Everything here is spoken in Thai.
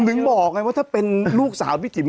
ถึงบอกไงว่าถ้าเป็นลูกสาวพี่จิ๋ม